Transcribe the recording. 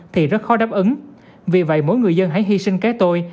thì rất khó đáp ứng vì vậy mỗi người dân hãy hy sinh kế tôi